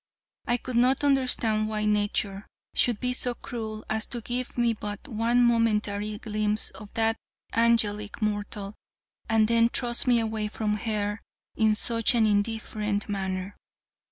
I could not understand why nature should be so cruel as to give me but one momentary glimpse of that angelic mortal and then thrust me away from her in such an indifferent manner.